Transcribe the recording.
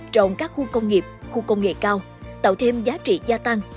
trong các khu công nghiệp khu công nghệ cao tạo thêm giá trị gia tăng